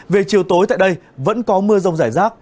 về chiều tối tại đây vẫn có mưa rông rải rác